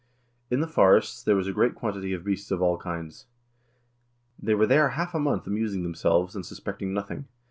In the forests there was a great quantity of beasts of all kinds. They were there half a month amusing themselves, and suspecting nothing.